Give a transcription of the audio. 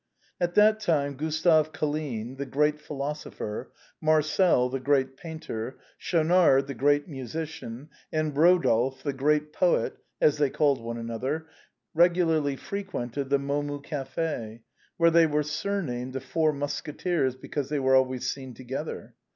At that time, Gustave Colline, the great philosopher, Marcel, the great painter, Schaunard, the great musician, and Eodolphe, the great poet (as they called one another), regularly frequented the Momus Café, where they were surnamed " the Four Musqueteers," because they were al ways seen together.